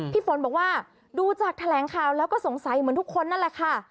พี่ฝนบอกว่าดูจากแถลงข่าวแล้วก็สงสัยเหมือนทุกคนนั่นแหละค่ะ